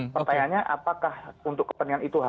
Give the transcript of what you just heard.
pertanyaannya apakah untuk kepentingan itu harus